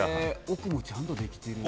奥もちゃんとできてる。